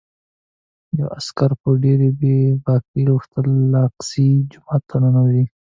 یوه عسکر په ډېرې بې باکۍ غوښتل الاقصی جومات ته ننوځي.